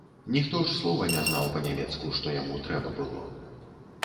Ніхто ж слова не знаў па-нямецку, што яму трэба было.